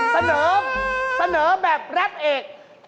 เสนอเสนอแบบแร็ปเอก